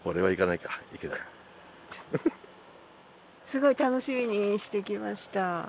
すごく楽しみにしてきました。